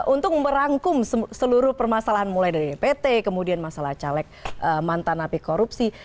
untuk merangkum seluruh permasalahan mulai dari dpt kemudian masalah caleg mantan api korupsi